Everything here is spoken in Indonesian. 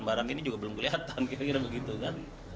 barang ini juga belum kelihatan kira kira begitu kan